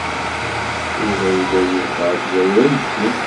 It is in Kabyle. Yuba yella yebɣa ad d-yawi aydi.